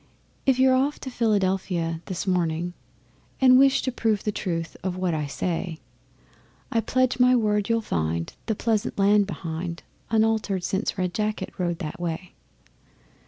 If you're off to Philadelphia this morning, And wish to prove the truth of what I say, I pledge my word you'll find the pleasant land behind Unaltered since Red Jacket rode that way.